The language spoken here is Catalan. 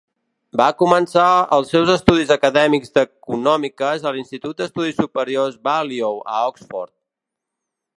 Va començar els seus estudis acadèmics d'econòmiques a l'institut d'estudis superiors Balliol, a Oxford.